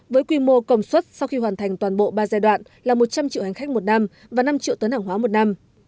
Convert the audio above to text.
với quy mô công suất sau khi hoàn thành toàn bộ ba giai đoạn là một trăm linh triệu hành khách một năm và năm triệu tấn hàng hóa một năm